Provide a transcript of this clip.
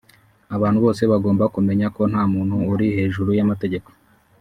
Abantu bose bagomba kumenya ko nta muntu uri hejuru y’amategeko